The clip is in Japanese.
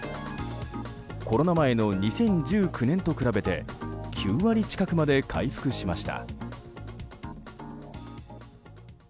コロナ前の２０１９年と比べて９割近くまで回復しました。